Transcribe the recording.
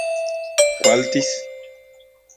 ¿Kualtis...?